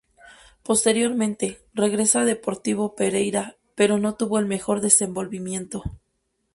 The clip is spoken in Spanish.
Posteriormente, regresa a Deportivo Pereira, pero no tuvo el mejor desenvolvimiento.